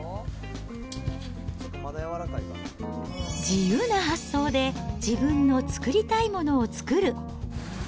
自由な発想で、自分の作りたいものを作る。